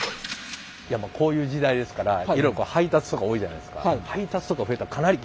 こういう時代ですからえらい配達とか多いじゃないですか。